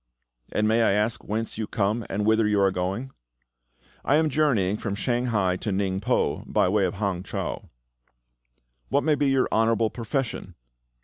"And may I ask whence you come and whither you are going?" "I am journeying from Shanghai to Ningpo, by way of Hang chau." "What may be your honourable profession?"